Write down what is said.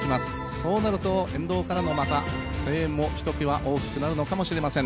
そうなると沿道からもまた声援もひときわ大きくなるのかもしれません。